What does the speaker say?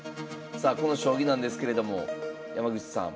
さあこの将棋なんですけれども山口さん。